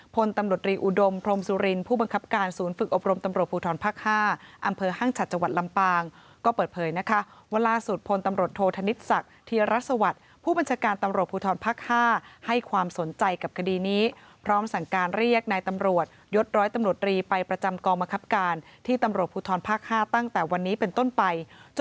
พลตำรวจรีอุดมพรมสุรินผู้บังคับการศูนย์ฝึกอบรมตำรวจภูทธรรมภาคห้าอำเภอห้างฉัดจังหวัดลำปางก็เปิดเผยนะคะว่าล่าสุดพลตำรวจโทธนิสักทีรัสสวัสผู้บัญชาการตำรวจภูทธรรมภาคห้าให้ความสนใจกับคดีนี้พร้อมสั่งการเรียกนายตำรวจยดร้อยตำรวจรีไปประจ